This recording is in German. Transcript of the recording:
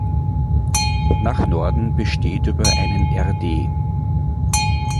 Nach Norden besteht über einen rd.